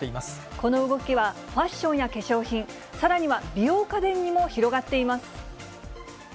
この動きは、ファッションや化粧品、さらには美容家電にも広がっています。